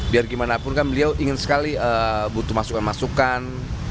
biar gimana pun kan beliau ingin sekali butuh masukan masukan